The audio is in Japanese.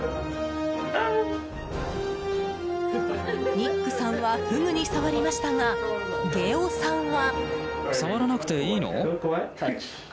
ニックさんはフグに触りましたがゲオさんは。